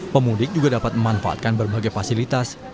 pemudik juga dapat memanfaatkan berbagai fasilitas